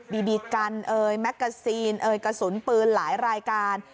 บีบีกันแมกกาซินกระสุนปืนหลายรายการ